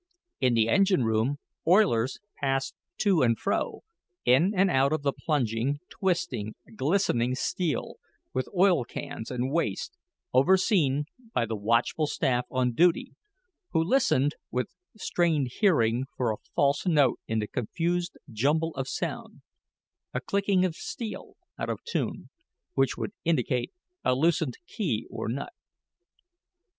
In the engine room, oilers passed to and fro, in and out of the plunging, twisting, glistening steel, with oil cans and waste, overseen by the watchful staff on duty, who listened with strained hearing for a false note in the confused jumble of sound a clicking of steel out of tune, which would indicate a loosened key or nut.